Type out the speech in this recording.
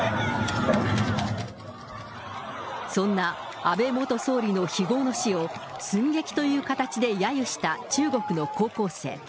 そんな、安倍元総理の非業の死を、寸劇という形でやゆした中国の高校生。